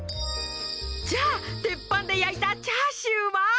じゃあ鉄板で焼いたチャーシューは？